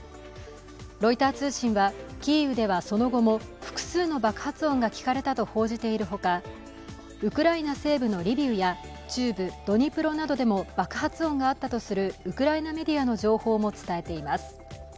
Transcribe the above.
ロイター通信は、キーウではその後も複数の爆発音が聞かれたと報じているほか、ウクライナ西部のリビウや中部ドニプロなどでも爆発音があったとするウクライナメディアの情報も伝えています。